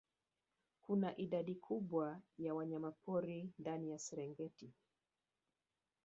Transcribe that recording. Kuna idadi kubwa ya wanyamapori ndani ya Serengeti